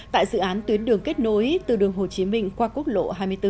tại dự án tuyến đường kết nối từ đường hồ chí minh qua quốc lộ hai mươi bốn